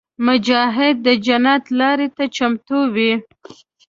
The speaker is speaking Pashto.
مجاهد د جنت لارې ته چمتو وي.